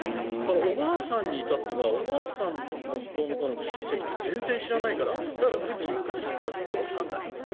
おばあさんに至ってはおばあさんの親戚って全然知らないからだからうちに関して言ったら例えば３代なのね。